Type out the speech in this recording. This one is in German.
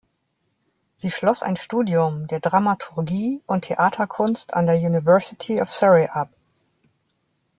Sie schloss ein Studium der Dramaturgie und Theaterkunst an der University of Surrey ab.